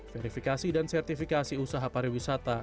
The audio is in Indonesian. verifikasi dan sertifikasi usaha pariwisata